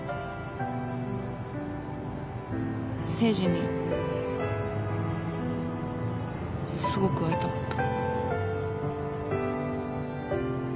誠治にすごく会いたかった。